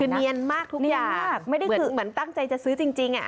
คือเนียนมากทุกอย่างไม่ได้คือเหมือนตั้งใจจะซื้อจริงอ่ะ